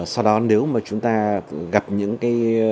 sau đó nếu mà chúng ta gặp những cái